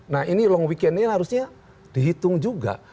nah ini long weekend ini harusnya dihitung juga